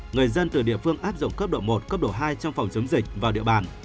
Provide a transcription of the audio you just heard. người dân từ địa phương áp dụng cấp độ một cấp độ hai trong phòng chống dịch vào địa bàn